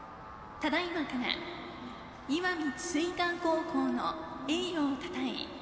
ただいまから、石見智翠館高校の栄誉をたたえ